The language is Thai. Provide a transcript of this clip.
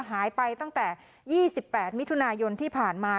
หายไปตั้งแต่๒๘มิถุนายนที่ผ่านมา